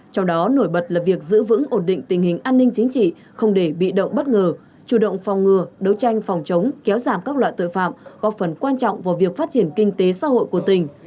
trong đó nổi bật là việc giữ vững ổn định tình hình an ninh chính trị không để bị động bất ngờ chủ động phòng ngừa đấu tranh phòng chống kéo giảm các loại tội phạm góp phần quan trọng vào việc phát triển kinh tế xã hội của tỉnh